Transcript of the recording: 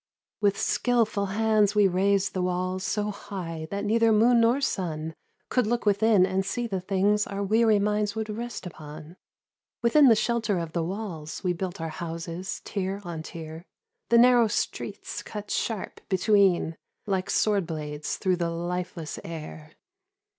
With skilful hands we raised the walls So high, that neither moon nor sun Could look within and see the things Our weary minds would rest upon. Within the shelter of the walls We built our houses, tier on tier, The narrow streets cut sharp between Like sword blades through the lifeless air.